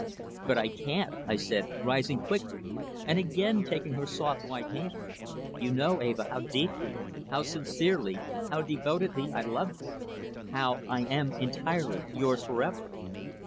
"But I can't," I said, rising quickly and again taking her soft white hand. "You know, Eva, how deeply, how sincerely, how devotedly I love you; how I am entirely yours for ever."